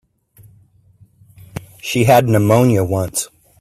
She had pneumonia once.